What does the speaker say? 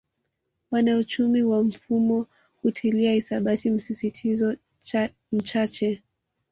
Wanauchumi wa mfumo hutilia hisabati msisitizo mchache